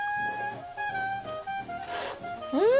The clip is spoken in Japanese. うん！